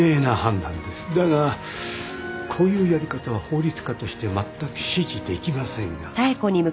だがこういうやり方は法律家としてまったく支持できませんが。